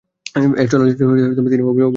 এ চলচ্চিত্রে তিনি অভিনয়ও করেন।